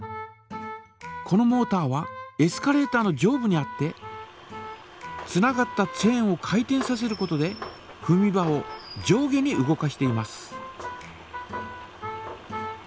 このモータはエスカレータ−の上部にあってつながったチェーンを回転させることでふみ場を上下に動かしています。